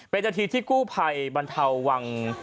ไปจากที่ที่กู้ไพ่บรรเทาวัง